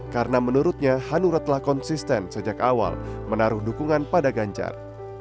karena menurutnya hanura telah konsisten sejak awal menaruh dukungan pada ganjar